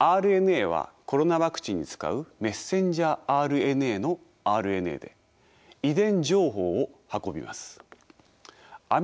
ＲＮＡはコロナワクチンに使うメッセンジャーＲＮＡのＲＮＡで遺伝情報を運びます。